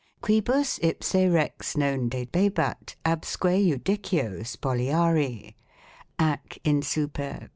* quibus ipse rex non debebat absque iudicio spoliari ; 7 ac insuper